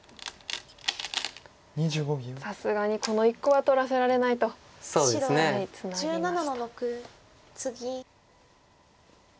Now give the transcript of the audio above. さすがにこの１個は取らせられないとツナぎました。